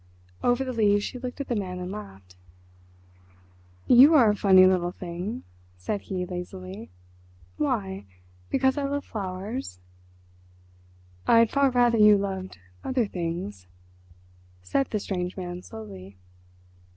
Over the leaves she looked at the man and laughed. "You are a funny little thing," said he lazily. "Why? Because I love flowers?" "I'd far rather you loved other things," said the strange man slowly.